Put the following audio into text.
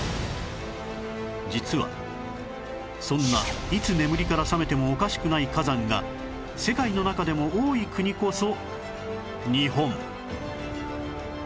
実はそんないつ眠りから覚めてもおかしくない火山が世界の中でも多い国こそ日本